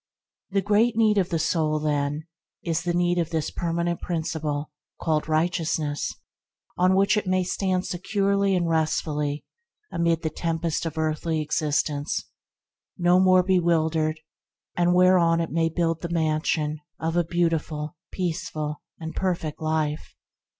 The great need of the soul, then, is the need of this permanent principle, called righteousness, on which it may stand securely and restfully amid the tempests of earthly existence, bewildered no more, whereon it may build the mansion of a beautiful, peaceful, and perfect life.